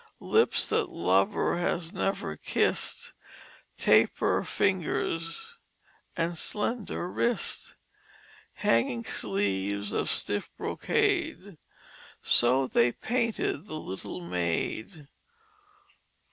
Lips that lover has never kissed, Taper fingers and slender wrist. Hanging sleeves of stiff brocade, So they painted the little maid."